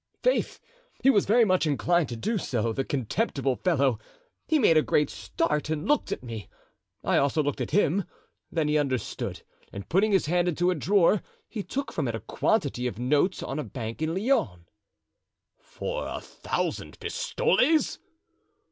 "Faith! he was very much inclined to do so, the contemptible fellow. He made a great start and looked at me. I also looked at him; then he understood, and putting his hand into a drawer, he took from it a quantity of notes on a bank in Lyons." "For a thousand pistoles?"